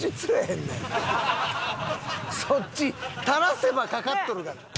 そっち垂らせばかかっとるがな。